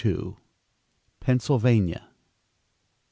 PENNSYLVANIA.